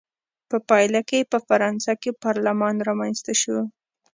په پایله کې یې په فرانسه کې پارلمان رامنځته شو.